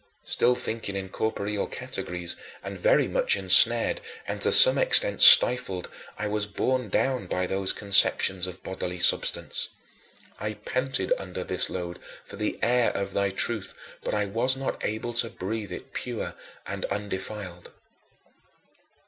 Still thinking in corporeal categories and very much ensnared and to some extent stifled, I was borne down by those conceptions of bodily substance. I panted under this load for the air of thy truth, but I was not able to breathe it pure and undefiled.